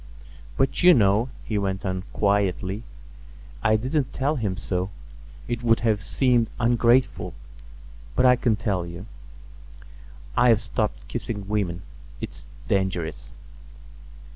"But, you know," he went on quietly, "I didn't tell him so, it would have seemed ungrateful, but I can tell you. I've stopped kissing women; it's dangerous."